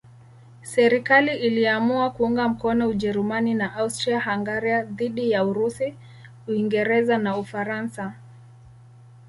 Serikali iliamua kuunga mkono Ujerumani na Austria-Hungaria dhidi ya Urusi, Uingereza na Ufaransa.